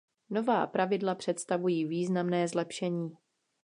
Nová pravidla představují významné zlepšení.